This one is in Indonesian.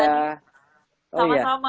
terima kasih sudah mengundang saya